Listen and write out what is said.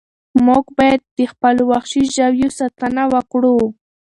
موږ باید د خپلو وحشي ژویو ساتنه وکړو.